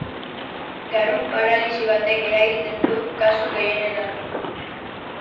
Garun paralisi batek eragiten du kasu gehienetan.